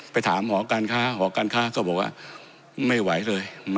ไปถามหอการค้าหอการค้าก็บอกว่าไม่ไหวเลย